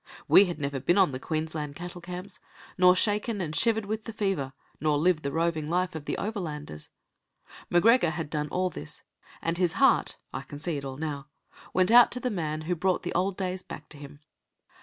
We had never been on the Queensland cattle camps, nor shaken and shivered with the fever, nor lived the roving life of the overlanders. M'Gregor had done all this, and his heart (I can see it all now) went out to the man who brought the old days back to him.